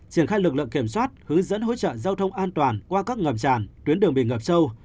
triển khai lực lượng kiểm soát hướng dẫn hỗ trợ giao thông an toàn qua các ngầm tràn tuyến đường bị ngập sâu